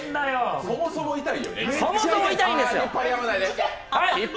そもそも痛いんですよ。